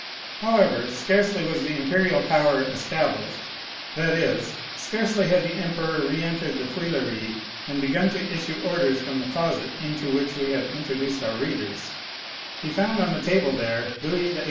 However, scarcely was the imperial power established—that is, scarcely had the emperor re entered the Tuileries and begun to issue orders from the closet into which we have introduced our readers,—he found on the table there Louis XVIII.